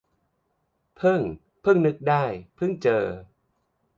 เพิ่ง - เพิ่งนึกได้ เพิ่งเจอ